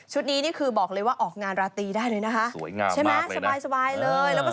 ชุดนี้นี่คือบอกเลยว่าออกงานราตีได้เลยนะคะ